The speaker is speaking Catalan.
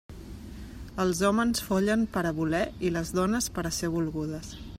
Els hòmens follen per a voler, i les dones, per a ser volgudes.